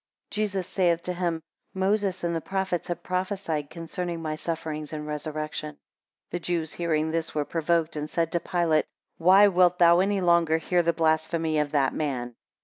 11 Jesus saith to him, Moses and the prophets have prophesied concerning my suffering and resurrection. 12 The Jews hearing this, were provoked, and said to Pilate, Why wilt thou any longer hear the blasphemy of that man?